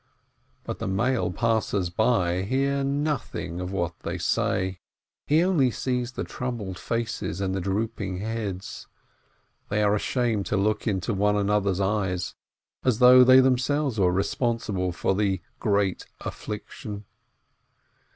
But the male passer by hears nothing of what they say, he only sees the troubled faces and the droop ing heads; they are ashamed to look into one another's eyes, as though they themselves were responsible for the great affliction.